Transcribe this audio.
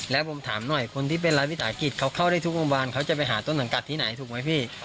แล้วผมถามหน่อยคนที่เป็นรายวิทยาศาสตร์กริจเข้าข้าวได้ทุกบ้านเขาจะไปหาต้นสังกัดที่ไหนถูกมั้ยพี่